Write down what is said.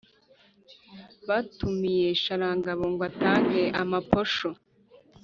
Batumiye Sharangabo, ngo atange amaposho